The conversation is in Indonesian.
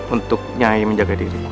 untuk nyai menjaga diri